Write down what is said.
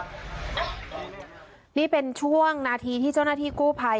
นี่เป็นช่วงนาทีที่เจ้าหน้าที่กู้ภัย